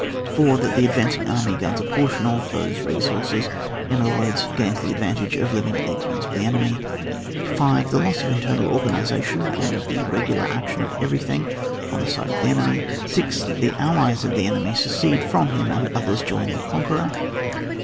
4. That the advancing army gains a portion of those resources, in other words, gains the advantage of living at the ex pense of the enemy. 5. The loss of internal organisation and of the regular action of everything on the side of the .enemy. 6. That the allies of the enemy secede from him, and others join the con queror.